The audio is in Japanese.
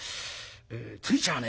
ついちゃあね